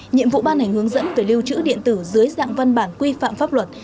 nhiệm vụ ban hành hướng dẫn về lưu trữ điện tử dưới dạng văn bản quy phạm pháp luật